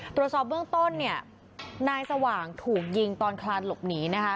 ตรวจสอบเบื้องต้นเนี่ยนายสว่างถูกยิงตอนคลานหลบหนีนะคะ